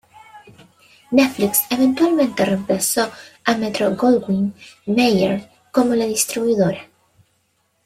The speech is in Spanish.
Netflix eventualmente reemplazó a Metro-Goldwyn-Mayer como la distribuidora.